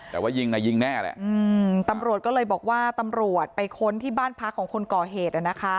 แต่ว่ายิงน่ะยิงแน่แหละตำรวจก็เลยบอกว่าตำรวจไปค้นที่บ้านพักของคนก่อเหตุ